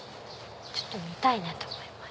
ちょっと見たいなと思います。